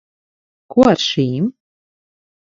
Ko ar šīm?